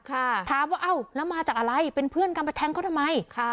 ถามว่าเอ้าแล้วมาจากอะไรเป็นเพื่อนกันไปแทงเขาทำไมค่ะ